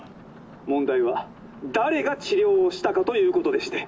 「問題は誰が治療をしたかということでして」。